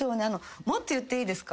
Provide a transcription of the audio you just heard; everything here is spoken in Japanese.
もっと言っていいですか？